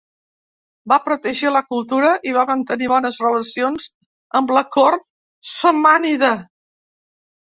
Va protegir la cultura i va mantenir bones relacions amb la cort samànida.